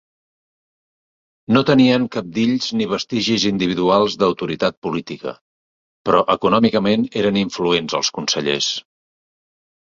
No tenien cabdills ni vestigis individuals d'autoritat política, però econòmicament eren influents els consellers.